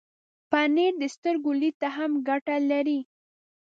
پنېر د سترګو لید ته هم ګټه لري.